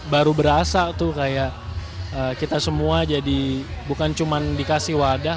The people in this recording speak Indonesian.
baru berasa tuh kayak kita semua jadi bukan cuma dikasih wadah